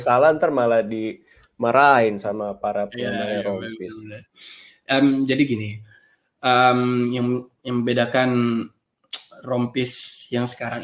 salah ntar malah di merahin sama para pioner jadi gini yang membedakan rompis yang sekarang